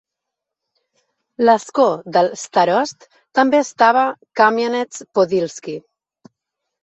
L'escó del starost també estava a Kàmianets-Podilski.